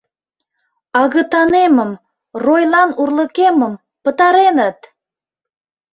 Агытанемым, ройлан урлыкемым, пытареныт!